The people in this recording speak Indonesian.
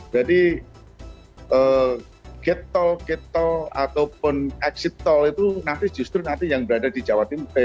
jadi gate toll gate toll ataupun exit toll itu nanti justru yang berada di jawa tengah